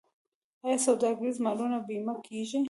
آیا سوداګریز مالونه بیمه کیږي؟